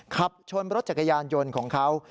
ขับชนรถจักรยานยนต์ของเขา